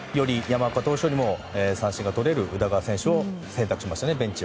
山岡投手よりも三振がとれる宇田川投手をベンチは選択しましたね。